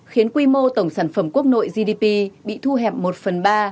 khiến quy mô tổng sản phẩm quốc nội gdp bị thu hẹp một phần ba